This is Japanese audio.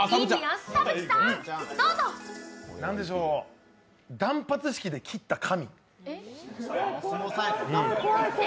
何でしょう、断髪式で切った髪？